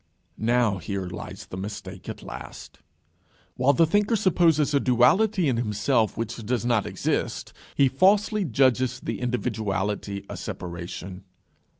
Now, here lies the mistake at last. While the thinker supposes a duality in himself which does not exist, he falsely judges the individuality a separation.